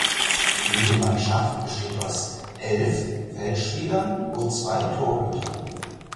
Jede Mannschaft besteht aus elf Feldspielern und zwei Torhütern.